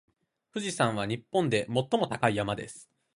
富士山は日本で最も高い山です。